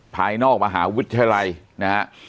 ภายนอกมหาวิทยาลัยนะฮะ